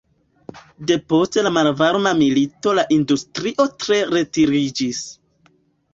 Depost la malvarma milito la industrio tre retiriĝis.